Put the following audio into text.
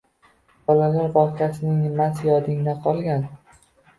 Bolalar bog‘chasining nimasi yodingda qolgan?